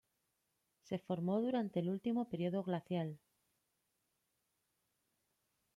Se formó durante el último período glacial.